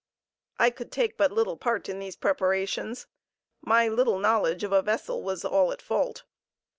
I could take but little part in all these preparations. My little knowledge of a vessel was all at fault.